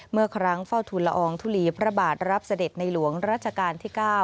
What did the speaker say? เมื่อครั้งเฝ้าทุนละอองทุลีพระบาทรับเสด็จในหลวงรัชกาลที่๙